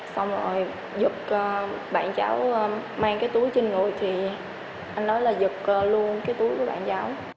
xong rồi dựt bạn cháu mang cái túi trên ngồi thì anh nói là dựt luôn cái túi của bạn cháu